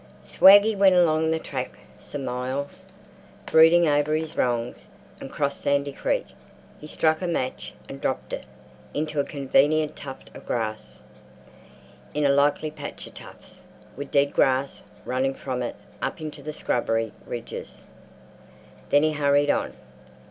Swaggy went along the track some miles, brooding over his wrongs, and crossed Sandy Creek. He struck a match and dropped it into a convenient tuft of grass in a likely patch of tufts, with dead grass running from it up into the scrubby ridges—then he hurried on.